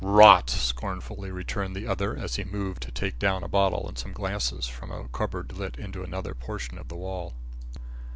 "Rot," scornfully returned the other, as he moved to take down a bottle and some glasses from a cupboard let into another portion of the wall.